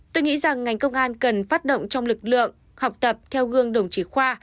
tôi nghĩ rằng ngành công an cần phát động trong lực lượng học tập theo gương đồng chí khoa